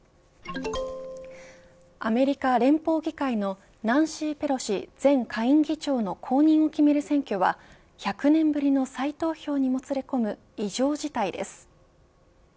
アメリカ連邦議会のナンシー・ペロシ前下院議長の後任を決める選挙は１００年ぶりの再投票にもつれ込む異常事態です。